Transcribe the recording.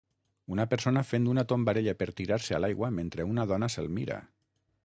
Una persona fent una tombarella per tirar-se a l'aigua mentre una dona se'l mira.